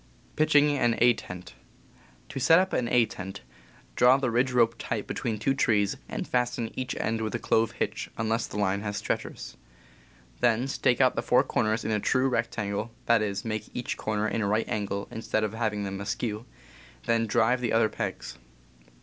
To set up an A tent, draw the ridge rope tight be tween two trees, and fasten each end with a clove hitch, p.. ,. unless the line has stretchers. Then .J, , stake out the four corners in a true rect angle (that is, make each corner a right angle, instead of having them askew). Then drive the other pegs.